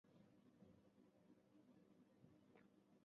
随后贬为麟山驿丞。